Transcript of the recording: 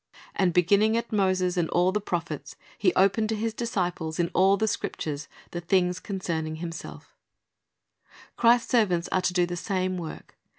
And "beginning at Moses and all the prophets," He opened to His disciples "in all the Scriptures the things concerning Himself"^ Christ's servants are to do the same work.